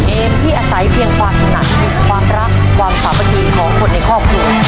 เกมที่อาศัยเพียงความถนัดความรักความสามัคคีของคนในครอบครัว